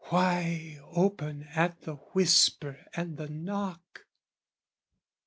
"Why open at the whisper and the knock?"